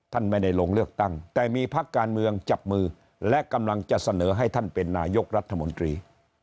ท่านไม่ได้ลงเลือกตั้งแต่มีพักการเมืองจับมือและกำลังจะเสนอให้ท่านเป็นนายกรัฐมนตรี